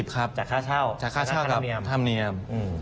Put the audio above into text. ๕๐๕๐ครับจากค่าเช่ากับธรรมเนียม